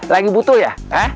lagi butuh ya